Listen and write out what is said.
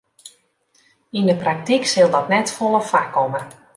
Yn 'e praktyk sil dat net folle foarkomme.